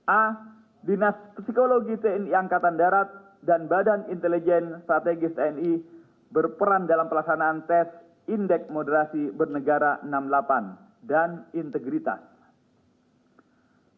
a dinas psikologi tni angkatan darat dan badan intelijen strategis tni berperan dalam pelaksanaan tes indeks moderasi bernegara enam puluh delapan dan integritas